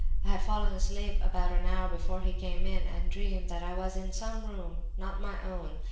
I had fallen asleep about an hour before he came in, and dreamed that I was in some room, not my own.